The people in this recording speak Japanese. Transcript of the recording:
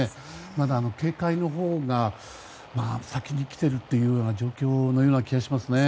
まだ警戒のほうが先に来ているという状況のような気がしますね。